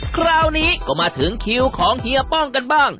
คราวนี้ก็มาถึงคิวของเฮียป้องกันบ้าง